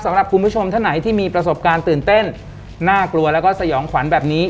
สำหรับคุณผู้ชมท่านไหนที่มีประสบการณ์ตื่นเต้นน่ากลัวแล้วก็สยองขวัญแบบนี้